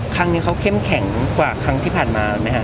ยังแข็งกว่าครั้งที่ผ่านมาไหมค่ะ